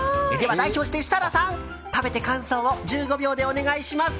代表して設楽さん、食べて感想を１５秒でお願いします！